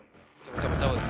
hei lembar raga keluar